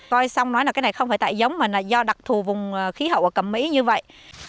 coi xong nói là cái này không phải tại giống mà là do đặc thù vùng khí hậu ở cẩm mỹ như vậy